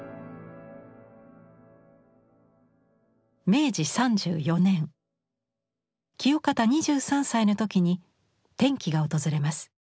明治３４年清方２３歳の時に転機が訪れます。